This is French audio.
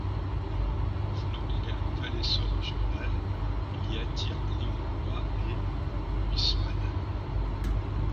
Voulant donner un nouvel essor au journal il y attire Léon Bloy et Huysmans.